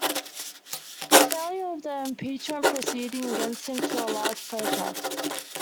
A failure of an impeachment proceeding against him led to a large protest.